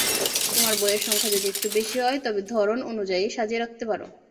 তোমার বইয়ের সংখ্যা যদি একটু বেশি হয়, তবে ধরন অনুযায়ী সাজিয়ে রাখতে পারো।